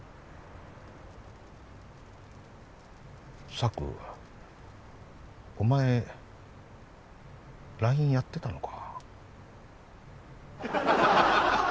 サクお前ＬＩＮＥやってたのか？